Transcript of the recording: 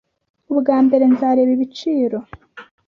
Ubwa mbere nzareba ibiciro,